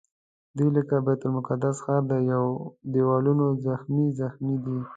دوی لکه د بیت المقدس ښار د دیوالونو زخمي زخمي دي.